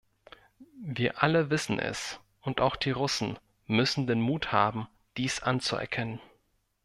Wir alle wissen es, und auch die Russen müssen den Mut haben, dies anzuerkennen.